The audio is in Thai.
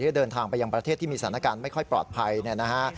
เดินทางไปยังประเทศที่มีสถานการณ์ไม่ค่อยปลอดภัยเนี่ยนะฮะ